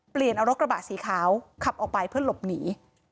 เปลี่ยนเอารถกระบะสีขาวขับออกไปเพื่อหลบหนี